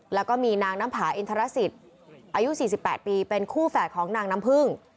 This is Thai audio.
แล้วก็มีนางน้ำผาอินทรสิตอายุ๔๘ปีเป็นคู่แฝดของนางน้ำพึ่ง